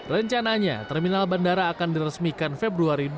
rencananya terminal bandara akan diresmikan februari